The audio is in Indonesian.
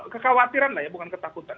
kekhawatiran lah ya bukan ketakutan